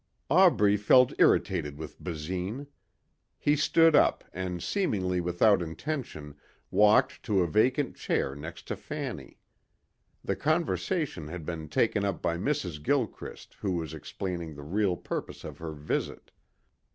Aubrey felt irritated with Basine. He stood up and seemingly without intention walked to a vacant chair next to Fanny. The conversation had been taken up by Mrs. Gilchrist who was explaining the real purpose of her visit.